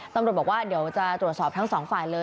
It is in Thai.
ตำรวจบอกว่าเดี๋ยวจะตรวจสอบทั้งสองฝ่ายเลย